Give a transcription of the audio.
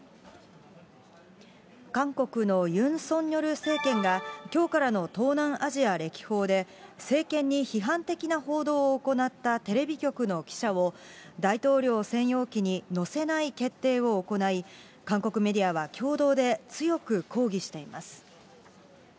韓国のユン・ソンニョル政権が、きょうからの東南アジア歴訪で、政権に批判的な報道を行ったテレビ局の記者を、大統領専用機に乗せない決定を行い、韓国メディアは共同で強く抗議しています。